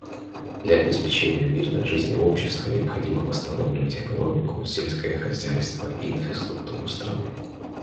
Для обеспечения мирной жизни общества необходимо восстанавливать экономику, сельское хозяйство и инфраструктуру страны.